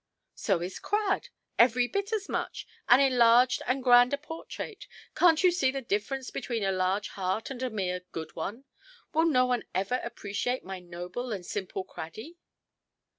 "So is Crad; every bit as much; an enlarged and grander portrait. Canʼt you see the difference between a large heart and a mere good one? Will no one ever appreciate my noble and simple Craddy"?